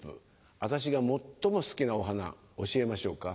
私が最も好きなお花教えましょうか？